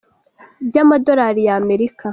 by’amadorali ya Amerika